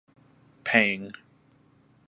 Pang!